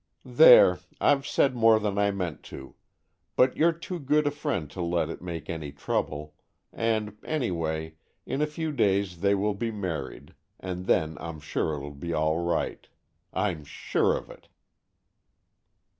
There! I've said more than I meant to, but you're too good a friend to let it make any trouble, and, any way, in a few days they will be married, and then I'm sure it will be all right,—I'm sure of it."